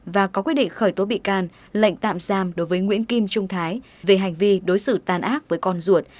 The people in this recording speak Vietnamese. và có quyết định khởi tố bị can lệnh tạm giam đối với nguyễn kim trung thái về hành vi đối xử tan ác với con ruột